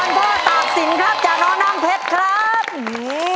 วอนเจ้าตากสิ้นครับจากน้อน้ำเพชรครับ